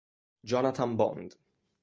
Jonathan Bond